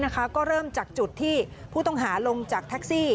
ก็เริ่มจากจุดที่ผู้ต้องหาลงจากแท็กซี่